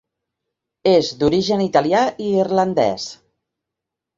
És d'origen italià i irlandès.